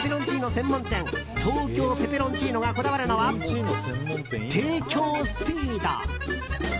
専門店東京ペペロンチーノがこだわるのは、提供スピード。